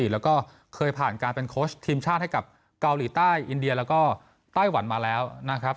แล้วก็เคยผ่านการเป็นโค้ชทีมชาติให้กับเกาหลีใต้อินเดียแล้วก็ไต้หวันมาแล้วนะครับ